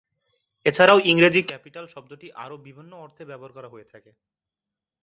এছাড়াও ইংরেজি ক্যাপিটাল শব্দটি আরো বিভিন্ন অর্থে ব্যবহার করা হয়ে থাকে।